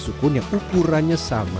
subkun yang ukurannya sama